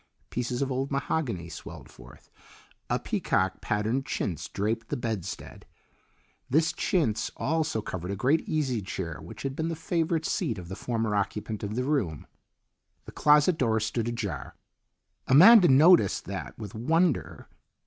Pieces of old mahogany swelled forth; a peacock patterned chintz draped the bedstead. This chintz also covered a great easy chair which had been the favourite seat of the former occupant of the room. The closet door stood ajar. Amanda noticed that with wonder.